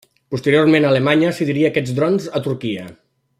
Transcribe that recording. Posteriorment Alemanya cediria aquests drons a Turquia.